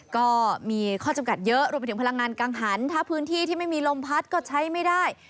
ก็มีข้อจำกัดเยอะรวมไปถึงพลังงานกังหันถ้าพื้นที่ที่ไม่มีลมพัดก็ใช้ไม่ได้